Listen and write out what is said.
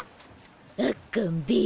あっかんべ！